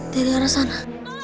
dari arah sana